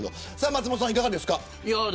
松本さん、いかがですか。